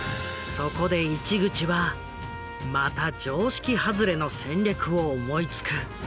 そこで市口はまた常識外れの戦略を思いつく。